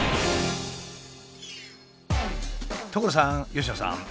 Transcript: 所さん佳乃さん。